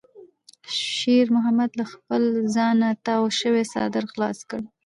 شېرمحمد له خپل ځانه تاو شوی څادر خلاص کړ.